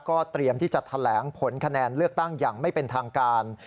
เตรียมที่จะแถลงผลคะแนนเลือกตั้งอย่างไม่เป็นทางการ